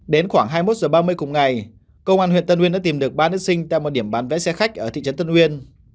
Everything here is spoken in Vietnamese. đến khoảng hai mươi một h ba mươi cùng ngày công an huyện tân uyên đã tìm được ba nữ sinh tại một điểm bán vé xe khách ở thị trấn tân uyên